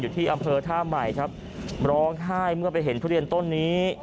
ที่อำเภอท่าใหม่ครับร้องไห้เมื่อไปเห็นทุเรียนต้นนี้